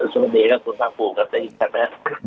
สวัสดีครับคุณภาคภูมิครับได้ยินครับไหมครับ